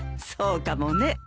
そうかもね。